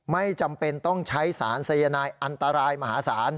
ไม่จำเป็นต้องใช้สารสายนายอันตรายมหาศาล